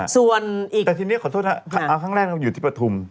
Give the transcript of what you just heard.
ส่วนอีกแต่ทีนี้ขอโทษนะครั้งแรกอยู่ที่ประธุม